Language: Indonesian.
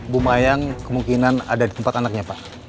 bu mayang kemungkinan ada di tempat anaknya pak